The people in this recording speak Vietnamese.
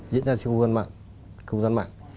diễn ra trên không gian mạng